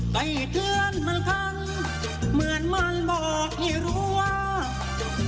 ใกล้เทือนเหมือนกันเหมือนมันบอกให้รู้ว่า